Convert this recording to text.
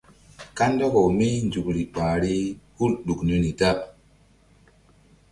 Kandɔkaw mí nzukri ɓahri hul ɗuk niri da.